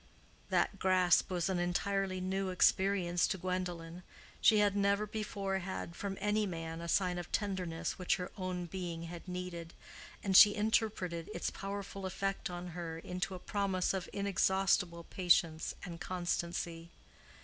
That grasp was an entirely new experience to Gwendolen: she had never before had from any man a sign of tenderness which her own being had needed, and she interpreted its powerful effect on her into a promise of inexhaustible patience and constancy.